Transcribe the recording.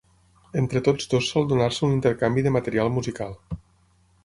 Entre tots dos sol donar-se un intercanvi de material musical.